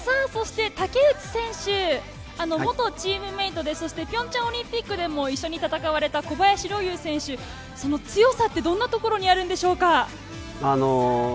竹内選手、元チームメートで、そしてピョンチャンオリンピックでも一緒に戦われた小林陵侑選手、その強さはどんなところにあるんでしょうか？